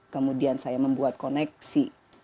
kemudian saya membuat koneksi